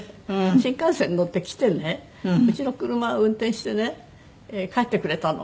新幹線に乗って来てねうちの車運転してね帰ってくれたの。